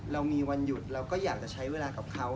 เรามีวันหยุดเราก็อยากจะใช้เวลากับเขา